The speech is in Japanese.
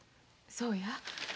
そうや。